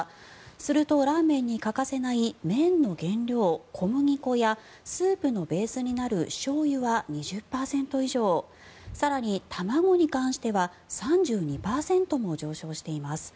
すると、ラーメンに欠かせない麺の原料、小麦粉やスープのベースになるしょうゆは２０％以上更に、卵に関しては３２％も上昇しています。